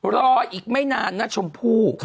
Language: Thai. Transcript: รออีกไม่นานนะชมพู่